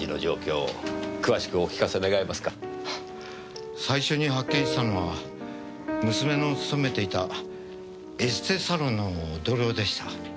はい最初に発見したのは娘の勤めていたエステサロンの同僚でした。